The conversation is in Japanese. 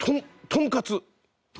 とんかつ？